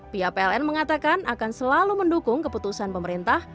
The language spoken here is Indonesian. pihak pln mengatakan akan selalu mendukung keputusan pemerintah